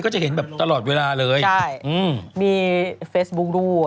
ก็จะเห็นแบบตลอดเวลาเลยใช่มีเฟสบุ๊คด้วย